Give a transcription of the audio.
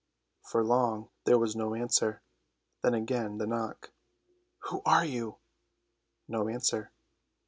For long there was no answer: then again the knock. "Who are you?" No answer.